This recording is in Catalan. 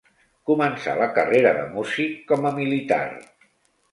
Començà la carrera de músic com a militar.